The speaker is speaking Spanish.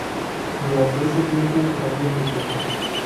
Durante ese tiempo cambió muy poco.